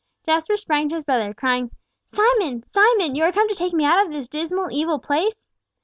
Jasper sprang to his brother, crying, "Simon! Simon! you are come to take me out of this dismal, evil place?"